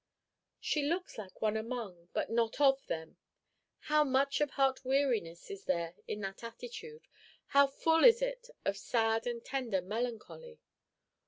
"She looks like one among, but not of, them. How much of heart weariness is there in that attitude; how full is it of sad and tender melancholy!